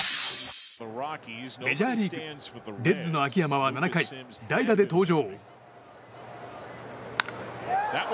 メジャーリーグレッズの秋山は７回代打で登場。